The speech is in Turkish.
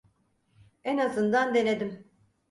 En azından denedim.